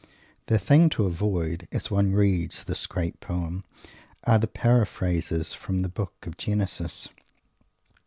The thing to avoid, as one reads this great poem, are the paraphrases from the book of Genesis.